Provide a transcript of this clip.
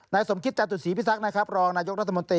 ในสมคิตจัดสู่ศีลพิธักษ์รองราชาจน์โดยรัฐมนตรี